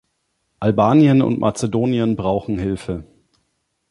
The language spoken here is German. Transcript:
Albanien und Mazedonien brauchen Hilfe.